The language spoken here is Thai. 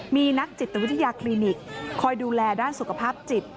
มีนักจิตวิทยาคลินิกคอยดูแลด้านสุขภาพจิต